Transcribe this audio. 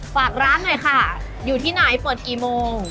ฝากร้านหน่อยค่ะอยู่ที่ไหนเปิดกี่โมง